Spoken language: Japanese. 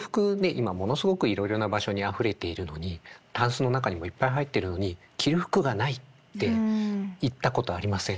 今ものすごくいろいろな場所にあふれているのにタンスの中にもいっぱい入っているのに着る服がない！っていったことありません？